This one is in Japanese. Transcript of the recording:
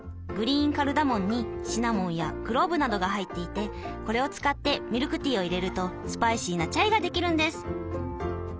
グリーンカルダモンにシナモンやクローブなどが入っていてこれを使ってミルクティーをいれるとスパイシーなチャイができるんです。